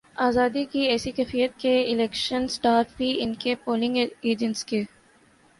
آزادی کی ایسی کیفیت کہ الیکشن سٹاف بھی ان کے پولنگ ایجنٹس کے